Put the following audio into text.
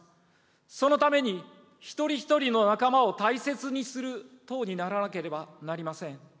そのために、一人一人の仲間を大切にする党にならなければなりません。